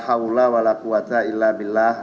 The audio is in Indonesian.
ini waktu kecil